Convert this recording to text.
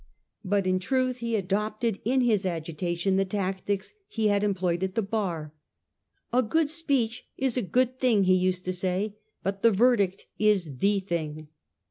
But in truth he adopted in his agitation the tactics he had employed at the bar. 'A good speech is a good thing,' he used to say ;' but the verdict is the thing.